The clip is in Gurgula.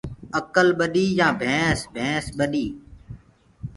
اڪل ٻڏي يآن ڀينس ڀينس ٻڏي